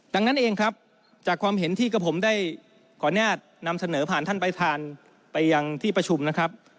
ดังนั้นเองครับจากความเห็นที่กระผมได้ขออนุญาตนำเสนอผ่านท่านประธานไปยังที่ประชุมนะครับ